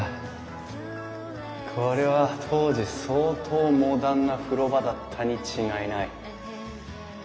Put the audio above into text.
これは当時相当モダンな風呂場だったに違いない。